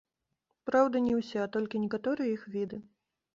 Праўда, не ўсе, а толькі некаторыя іх віды.